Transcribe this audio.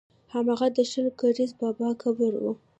هماغه د شل ګزي بابا قبر و.